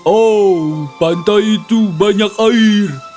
oh pantai itu banyak air